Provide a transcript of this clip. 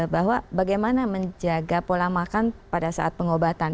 bahwa bagaimana menjaga pola makan pada saat pengobatan